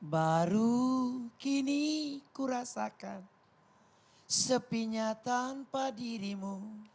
baru kini kurasakan sepinya tanpa dirimu